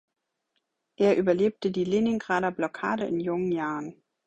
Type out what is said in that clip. Er überlebte die Leningrader Blockade in jungen Jahren.